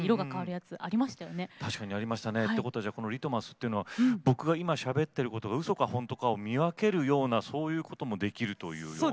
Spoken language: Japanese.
確かにありましたね。ってことはこの「ＬＩＴＭＵＳ」っていうのは僕が今しゃべってることがうそかほんとかを見分けるようなそういうこともできるというような。